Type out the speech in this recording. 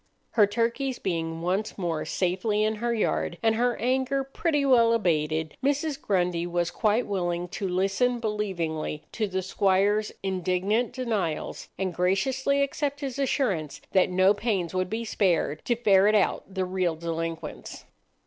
Her turkeys being once more safely in her yard, and her anger pretty well abated, Mrs. Grundy was quite willing to listen believingly to the squire's indignant denials, and graciously accept his assurance that no pains would be spared to ferret out the real delinquents.